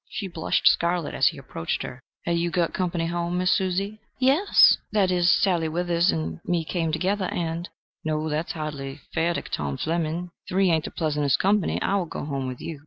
She blushed scarlet as he approached her: "Have you got company home, Miss Susie?" "Yes that is, Sally Withers and me came together, and " "No, that's hardly fair to Tom Fleming: three ain't the pleasantest company. I will go home with you."